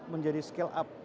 menjadi scale up